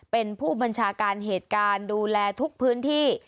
เป็นผู้บัญชาการเหตุการณ์ดูแลทุกพื้นที่